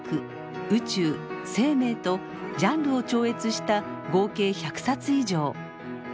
宇宙生命とジャンルを超越した合計１００冊以上。